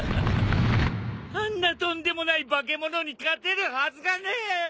あんなとんでもない化け物に勝てるはずがねえ。